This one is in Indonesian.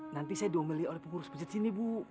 nanti saya diomeli oleh pengurus masjid sini bu